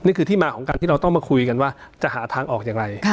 นี่คือที่มาของการที่เราต้องมาคุยกันว่าจะหาทางออกอย่างไร